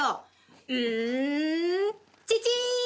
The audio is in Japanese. うんチチン！